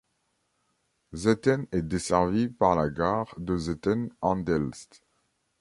Zetten est desservi par la gare de Zetten-Andelst.